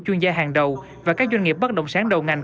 chuyên gia hàng đầu và các doanh nghiệp bất động sản đầu ngành